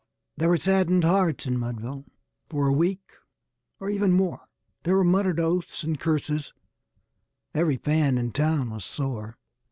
_ There were saddened hearts in Mudville for a week or even more; There were muttered oaths and curses every fan in town was sore.